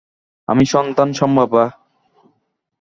আমি সন্তান সম্ভবা।